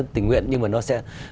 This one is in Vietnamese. tình nguyện nhưng mà nó sẽ